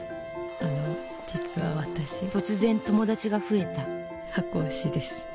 あの実は私突然友達が増えた箱推しです。